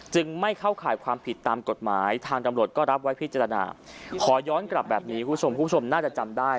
ไม่เข้าข่ายความผิดตามกฎหมายทางตำรวจก็รับไว้พิจารณาขอย้อนกลับแบบนี้คุณผู้ชมคุณผู้ชมน่าจะจำได้